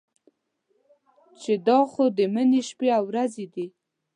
چې دا خو د مني شپې او ورځې دي.